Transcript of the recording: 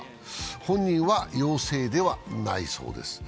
本人は陽性ではないそうです。